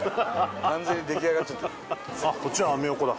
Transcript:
こっちはアメ横だ。